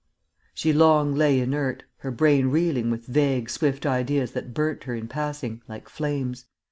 She long lay inert, her brain reeling with vague, swift ideas that burnt her in passing, like flames.